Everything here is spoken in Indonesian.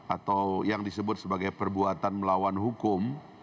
atau yang disebut sebagai perbuatan melawan hukum